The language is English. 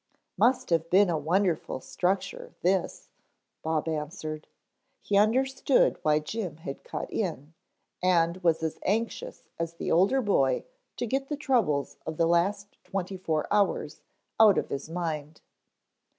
"Must have been a wonderful structure this," Bob answered. He understood why Jim had cut in, and was as anxious as the older boy to get the troubles of the last twenty four hours out of his mind.